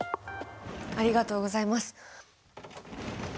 ありがとうございます！